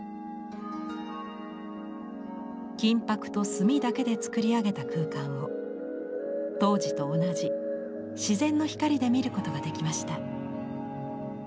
金箔と墨だけで作り上げた空間を当時と同じ自然の光で見ることができました。